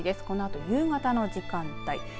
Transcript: このあと夕方の時間帯。